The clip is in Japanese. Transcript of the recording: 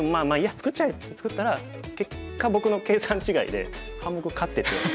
作っちゃえ！」って作ったら結果僕の計算違いで半目勝ってて。